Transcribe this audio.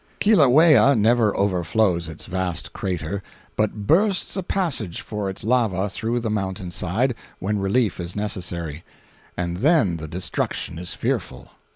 Kilauea never overflows its vast crater, but bursts a passage for its lava through the mountain side when relief is necessary, and then the destruction is fearful.